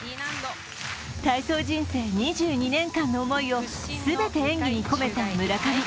体操人生２２年間の思いを全て演技に込めた村上。